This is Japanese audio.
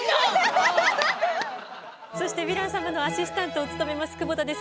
そしてヴィラン様のアシスタントを務めます久保田です。